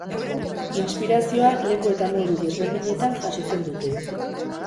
Inspirazioa leku eta modu desberdinetan jasotzen dute.